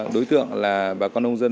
đối tượng là bà con nông dân